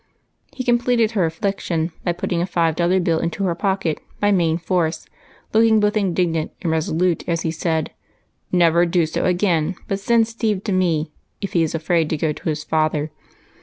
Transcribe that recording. He completed her affliction by putting a five dollar bill into her pocket by main force, looking both indignant and resolute as he said, —" Never do so, again ; but send Steve to me, if he is afraid to go to his father.